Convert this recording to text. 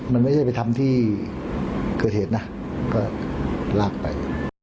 มันไม่ใช่ไปทำที่เกิดเหตุนะก็ลากไป